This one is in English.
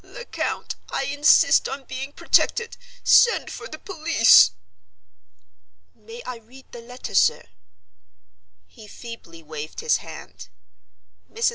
"Lecount, I insist on being protected. Send for the police!" "May I read the letter, sir?" He feebly waved his hand. Mrs.